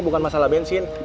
bukan masalah bensin